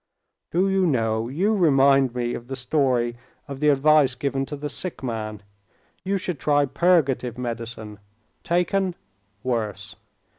"Do you know, you remind me of the story of the advice given to the sick man—You should try purgative medicine. Taken: worse.